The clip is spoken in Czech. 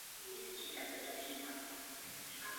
Později začal lézt v horách.